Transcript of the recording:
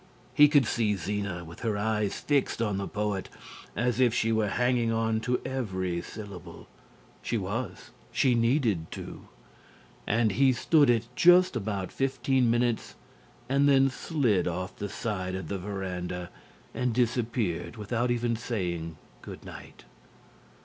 He could see Zena with her eyes fixed on the poet as if she were hanging on to every syllable (she was; she needed to), and he stood it just about fifteen minutes and then slid off the side of the verandah and disappeared without even saying good night.